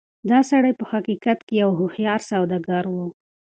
دا سړی په حقيقت کې يو هوښيار سوداګر و.